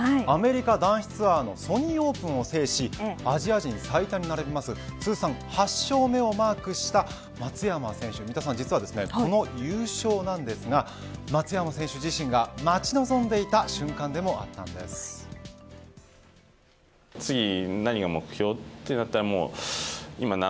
アメリカ男子ツアーのソニーオープンを制しアジア人最多に並びます通算８勝目をマークした松山選手、三田さん、実はこの優勝なんですが松山選手自身が待ち望んでいた瞬間でもあったんです。